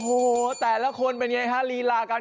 โอ้แล้วที่สำคัญ